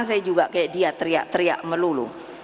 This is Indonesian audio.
saya juga kayak dia teriak teriak melulu